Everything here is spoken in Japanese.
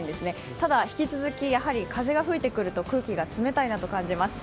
ただ、引き続き、風が吹いて来ると空気が冷たいと感じます。